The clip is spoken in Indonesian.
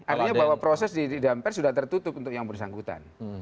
artinya bahwa proses di dpr sudah tertutup untuk yang bersangkutan